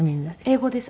英語です。